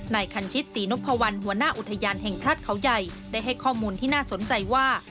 คันชิตศรีนพวัลหัวหน้าอุทยานแห่งชาติเขาใหญ่ได้ให้ข้อมูลที่น่าสนใจว่า